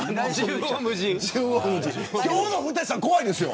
今日の古舘さん怖いですよ。